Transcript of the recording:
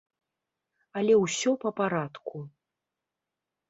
Але ўсё па парадку.